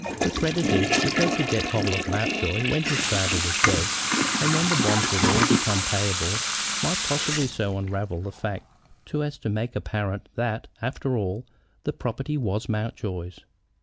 The creditors, if they could get hold of Mountjoy when his father was dead, and when the bonds would all become payable, might possibly so unravel the facts as to make it apparent that, after all, the property was Mountjoy's.